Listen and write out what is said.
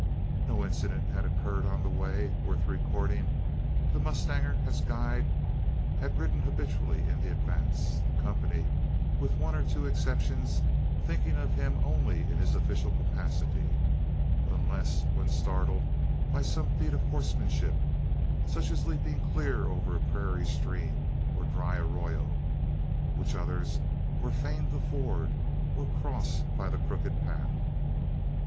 No incident had occurred on the way worth recording. The mustanger, as guide, had ridden habitually in the advance; the company, with one or two exceptions, thinking of him only in his official capacity unless when startled by some feat of horsemanship such as leaping clear over a prairie stream, or dry arroyo, which others were fain to ford, or cross by the crooked path.